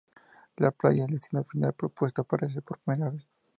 La playa, el destino final propuesto, aparece por primera vez.